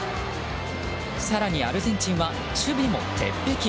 更に、アルゼンチンは守備も鉄壁。